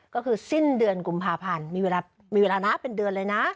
ก็คือสิ้นเดือนกุมภาพันธ์มีเวลามีเวลานะเป็นเดือนเลยนะ